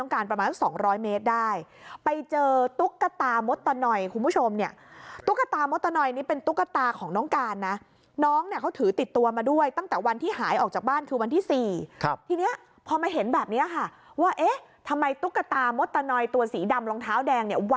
คือเมื่อขนาด